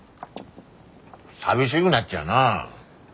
寂しぐなっちゃうなあ？